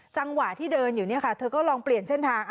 จังหวะที่เดินอยู่เนี่ยค่ะเธอก็ลองเปลี่ยนเส้นทาง